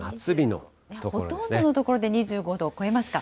ほとんどの所で２５度を超えますか。